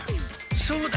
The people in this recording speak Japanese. そうだ！